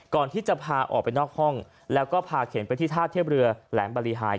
ก่อนที่จะพาออกไปนอกห้องแล้วก็พาเข็นไปที่ท่าเทียบเรือแหลมบริหาย